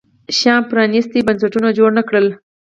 شیام پرانیستي بنسټونه جوړ نه کړل.